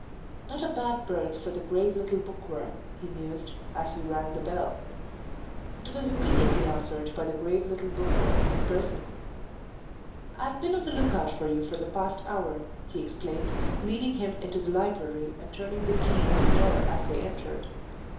"Not a bad berth for the grave little bookworm," he mused as he rang the bell. It was immediately answered by the "grave little bookworm" in person. "I've been on the lookout for you for the past hour," he explained, leading him into the library and turning the key of the door as they entered.